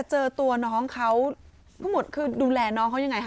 เจอตัวน้องเขาภูมิคือดูแลน้องฟรีอย่างไร